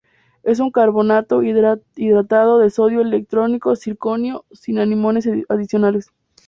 Es un carbonato hidratado de sodio, estroncio y circonio, sin aniones adicionales.